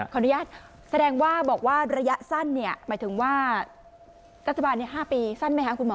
ขออนุญาตแสดงว่าระยะสั้นรัฐบาล๕ปีสั้นไหมครับคุณหมอ